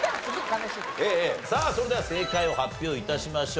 さあそれでは正解を発表致しましょう。